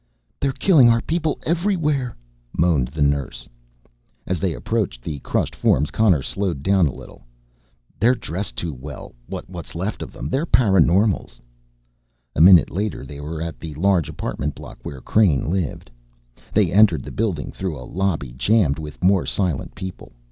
"They're killing our people everywhere," moaned the nurse. As they approached the crushed forms, Connor slowed down a little. "They're dressed too well what's left of them. They're paraNormals!" A minute later they were at the large apartment block where Crane lived. They entered the building through a lobby jammed with more silent people.